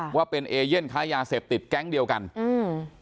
ว่าเป็นเอเย่นค้ายาเสพติดแก๊งเดียวกันอืม